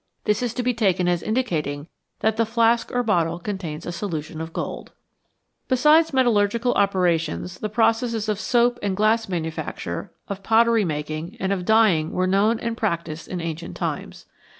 This is to be taken as indicating that the flask or bottle contains a solution of gold. Besides metallurgical operations the processes of soap and glass manufacture, of pottery making, and of dyeing were known and practised in ancient times.